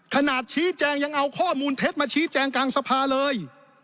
ชี้แจงยังเอาข้อมูลเท็จมาชี้แจงกลางสภาเลย